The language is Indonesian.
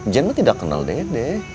jen berarti tidak kenal dede